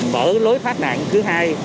mở lối phát nạn thứ hai